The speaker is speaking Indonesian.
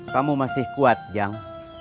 kamu masih kuat jang